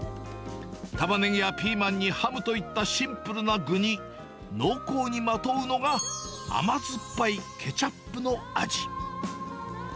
タマネギやピーマンにハムといったシンプルな具に、濃厚にまとうのが甘酸っぱいケチャップの味。